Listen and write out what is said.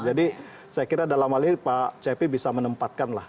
jadi saya kira dalam hal ini pak cepi bisa menempatkan lah